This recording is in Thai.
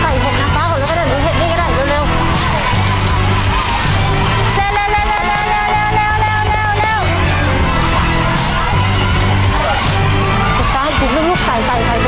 ไปไปไปไปไปแม่เอาใส่เห็นนะฮะฟ้าของมันก็ได้ดูเห็นมิ้นก็ได้เร็วเร็ว